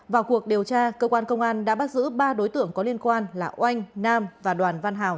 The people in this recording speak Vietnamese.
vào cuộc điều tra cơ quan công an đã bắt giữ ba đối tượng có liên quan là oanh nam và đoàn văn hào